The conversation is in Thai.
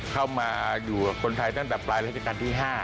เข้ามาอยู่กับคนไทยตั้งแต่ปลายราชการที่๕